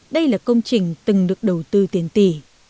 đây là công trình từng được đầu tư tiền tỷ